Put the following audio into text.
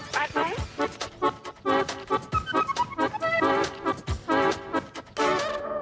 แป๊บไหม